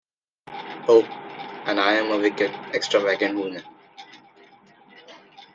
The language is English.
Oh, and I’m a wicked, extravagant woman.